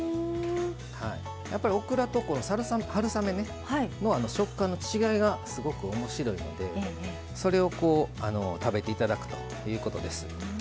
やっぱりオクラと春雨の食感の違いがすごく面白いのでそれを食べて頂くということです。